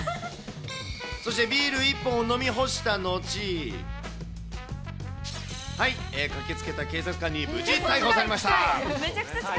そしてビール１本を飲み干した後、はい、駆けつけた警察官に無事、逮捕されました。